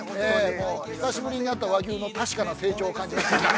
久しぶりに会った和牛の確かな成長を感じました。